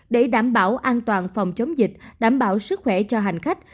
để đảm bảo an toàn phòng chống dịch đảm bảo sức khỏe cho hành khách